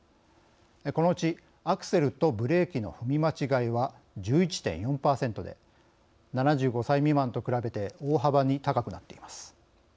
このうちアクセルとブレーキの踏み間違いは１１．４％で７５歳未満と比べて大幅に高くなっています。